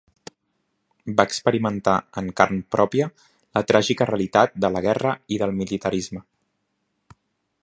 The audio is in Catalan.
Va experimentar en carn pròpia la tràgica realitat de la guerra i del militarisme.